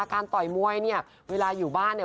ต่อยมวยเนี่ยเวลาอยู่บ้านเนี่ย